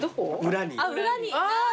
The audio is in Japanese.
裏に。